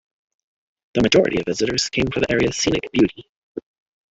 The majority of visitors come for the area's scenic beauty.